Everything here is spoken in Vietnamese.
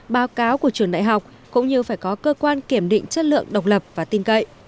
báo cáo của trường đại học cũng như phải có cơ quan kiểm định chất lượng độc lập và tin cậy